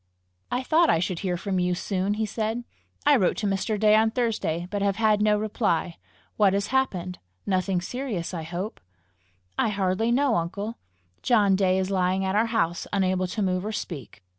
"I thought I should hear from you soon!" he said. "I wrote to Mr. Day on Thursday, but have had no reply. What has happened? Nothing serious, I hope?" "I hardly know, uncle. John Day is lying at our house, unable to move or speak."